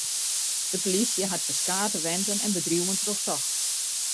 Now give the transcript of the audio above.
De polysje hat ferskate wenten en bedriuwen trochsocht.